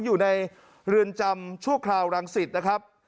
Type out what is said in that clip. อยู่ในเรือนจำชั่วคราวรังสิตนะครับ